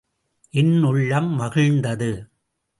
என் உள்ளம் மகிழ்ந்தது.